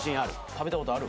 食べたことある？